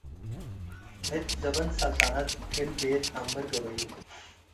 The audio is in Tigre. እት ዘመን ሰልጠነት - ክል ቤት አምር ገበዩ